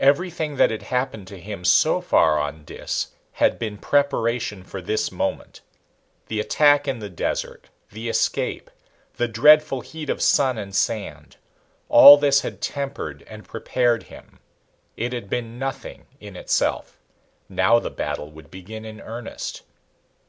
Everything that had happened to him so far on Dis had been preparation for this moment. The attack in the desert, the escape, the dreadful heat of sun and sand. All this had tempered and prepared him. It had been nothing in itself. Now the battle would begin in earnest.